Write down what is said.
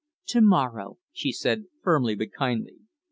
"To morrow," she said, firmly, but kindly.